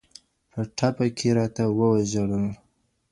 په ټپه كـي راتـه وژړل